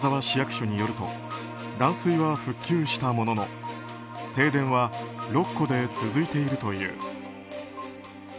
市役所によると断水は復旧したものの停電は６戸で続いているという。